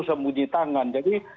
sembunyi tangan jadi